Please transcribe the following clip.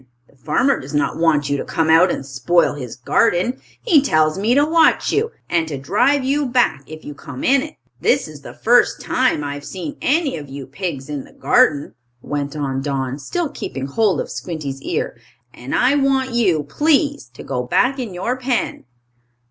The farmer does not want you to come out and spoil his garden. He tells me to watch you, and to drive you back if you come in it. "This is the first time I have seen any of you pigs in the garden," went on Don, still keeping hold of Squinty's ear, "and I want you, please, to go back in your pen."